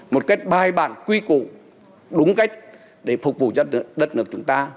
một cách bài bản quy cụ đúng cách để phục vụ cho đất nước chúng ta